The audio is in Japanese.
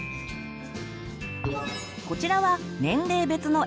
こちらは年齢別の絵本。